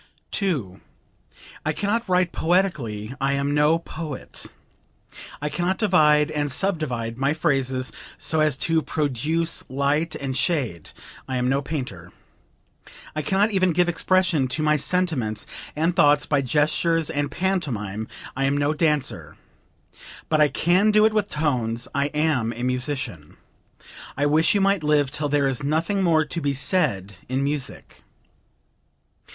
2. "I can not write poetically; I am no poet. I can not divide and subdivide my phrases so as to produce light and shade; I am no painter. I can not even give expression to my sentiments and thoughts by gestures and pantomime; I am no dancer. But I can do it with tones; I am a musician....I wish you might live till there is nothing more to be said in music."